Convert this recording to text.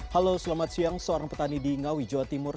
halo selamat siang seorang petani di ngawi jawa timur